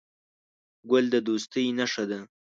ګل د دوستۍ نښه ده.